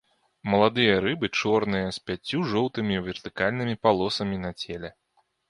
Маладыя рыбы чорныя з пяццю жоўтымі вертыкальнымі палосамі на целе.